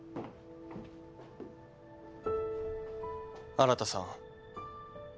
新さん。